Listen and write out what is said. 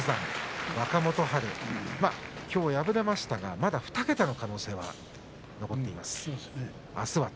若元春、きょう敗れましたがまた２桁の可能性は残っています。